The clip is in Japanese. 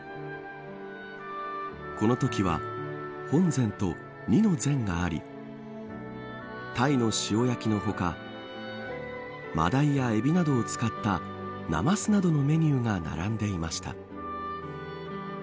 このときは本膳と二の膳があり鯛の塩焼きの他マダイやエビなどを使った鱠などのメニューが並んでいました。